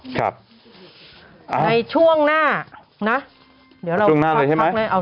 ในช่วงหน้าน